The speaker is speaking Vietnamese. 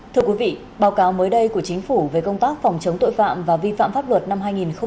thưa quý vị báo cáo mới đây của chính phủ về công tác phòng chống tội phạm và vi phạm pháp luật năm hai nghìn một mươi chín